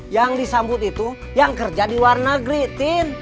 yang disambut itu yang kerja di warna negeri tin